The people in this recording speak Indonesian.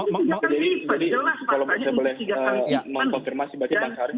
jadi kalau saya boleh mengkonfirmasi bagi bang syarif